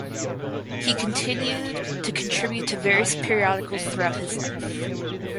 He continued to contribute to various periodicals throughout his life.